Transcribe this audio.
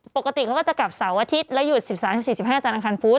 ปกติเขาก็จะกลับเสาร์อาทิตย์แล้วหยุด๑๓๑๔๑๕อาจารยอังคารฟุต